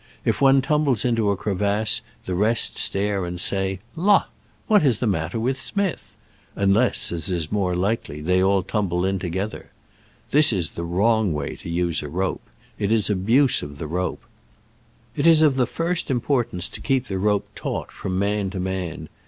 If one tumbles into a crevasse, the rest stare and say, " La ! what is the matter with Smith?" unless, as is more likely, they all tum ble in together. This is the wrong way to use a rope. It is abuse of the rope. It is of the first importance to keep the rope taut from man to man.